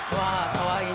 かわいい。